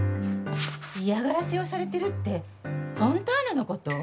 嫌がらせをされてるってフォンターナのこと？